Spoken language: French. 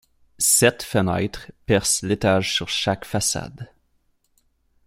Sept fenêtres percent l'étage sur chaque façade.